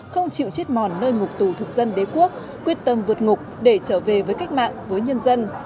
không chịu chết mòn nơi ngục tù thực dân đế quốc quyết tâm vượt ngục để trở về với cách mạng với nhân dân